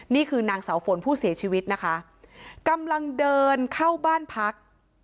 นี่คือนางเสาฝนผู้เสียชีวิตนะคะกำลังเดินเข้าบ้านพัก